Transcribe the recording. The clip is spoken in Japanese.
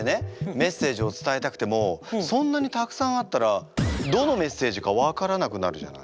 メッセージを伝えたくてもそんなにたくさんあったらどのメッセージか分からなくなるじゃない。